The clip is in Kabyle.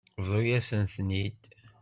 Bḍu-yasent-ten-id.